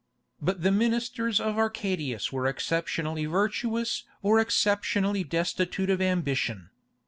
But the ministers of Arcadius were exceptionally virtuous or exceptionally destitute of ambition.